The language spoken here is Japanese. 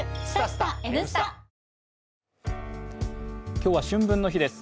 今日は春分の日です。